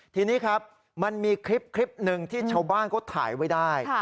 ทีนี้ครับมันมีคลิปหนึ่งที่ชาวบ้านเขาถ่ายไว้ได้